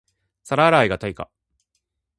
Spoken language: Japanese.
皿洗いが対価